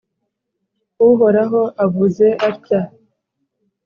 Uhoraho avuze atya: